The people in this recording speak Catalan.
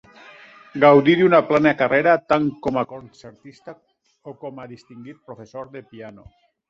Gaudí d'una plena carrera tant com a concertista o com a distingit professor de piano.